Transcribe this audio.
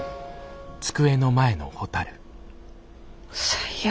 最悪。